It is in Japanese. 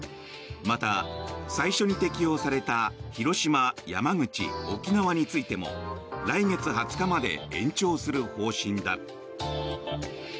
また、最初に適用された広島、山口、沖縄についても来月２０日まで延長する方針だ。